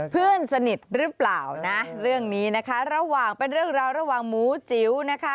เพื่อนสนิทหรือเปล่านะเรื่องนี้นะคะระหว่างเป็นเรื่องราวระหว่างหมูจิ๋วนะคะ